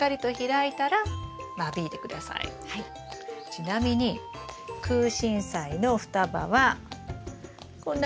ちなみにクウシンサイの双葉はこんな双葉なんですよ。